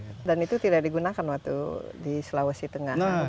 dan itu tidak digunakan waktu di sulawesi tengah